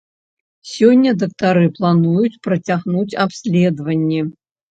Сёння дактары плануюць працягнуць абследаванні.